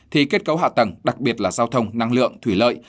thì kết cấu hạ tầng đặc biệt là giao thông năng lượng thủy lợi